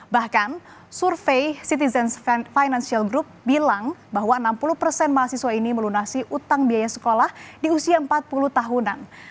bahkan survei citizens financial group bilang bahwa enam puluh persen mahasiswa ini melunasi utang biaya sekolah di usia empat puluh tahunan